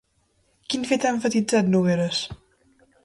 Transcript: Quin fet ha emfatitzat Nogueras?